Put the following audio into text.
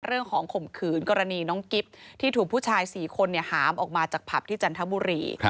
ข่มขืนกรณีน้องกิฟต์ที่ถูกผู้ชาย๔คนหามออกมาจากผับที่จันทบุรี